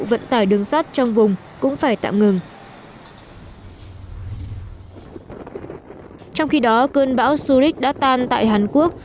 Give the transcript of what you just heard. vận tải đường sát trong vùng cũng phải tạm ngừng trong khi đó cơn bão suric đã tan tại hàn quốc